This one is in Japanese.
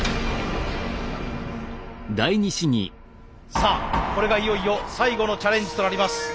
さあこれがいよいよ最後のチャレンジとなります。